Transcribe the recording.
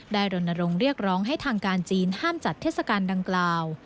รณรงค์เรียกร้องให้ทางการจีนห้ามจัดเทศกาลดังกล่าว